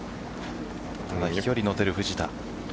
距離の出る藤田。